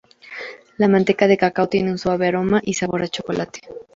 La manteca de cacao tiene un suave aroma y sabor a chocolate.